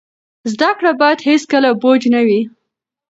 زده کړه باید هیڅکله بوج نه وي.